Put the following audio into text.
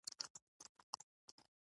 په ټولو ډګرونو کې یې ژور تغییرات تجربه کړي.